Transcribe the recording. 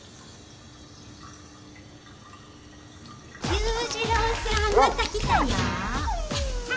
・裕次郎さんまた来たよ。